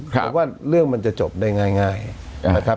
ผมว่าเรื่องมันจะจบได้ง่ายนะครับ